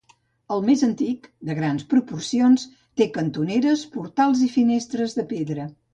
El més antic, de grans proporcions, té cantoneres, portals i finestres de pedra.